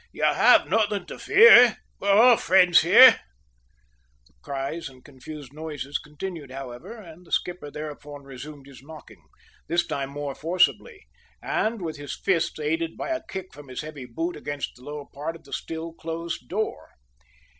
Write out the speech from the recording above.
"You have nothing to fear. We're all friends here!" The cries and confused noises continued, however, and the skipper thereupon resumed his knocking, this time more forcibly, and with his fists aided by a kick from his heavy boot against the lower part of the still closed door.